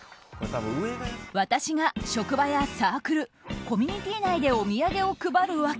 私が職場やサークルコミュニティー内でお土産を配る訳。